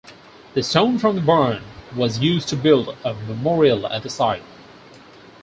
The stone from the barn was used to build a memorial at the site.